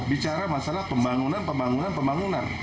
bicara masalah pembangunan pembangunan